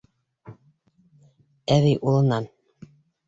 Әбей улынан: